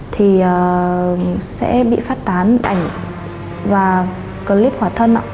thì sẽ bị phát tán ảnh và clip khỏa thân ạ